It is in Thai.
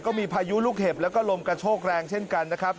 พายุลูกเห็บแล้วก็ลมกระโชกแรงเช่นกันนะครับ